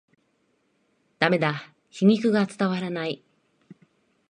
ダメだ、皮肉が伝わらない